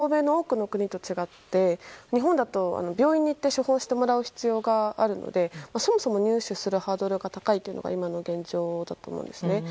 緊急避妊薬も、薬局で買える欧米の多くの国と違って日本だと病院に行って処方してもらう必要があるのでそもそも入手するハードルが高いというのが今の現状だと思いますね。